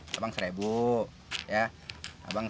jangan jangan jangan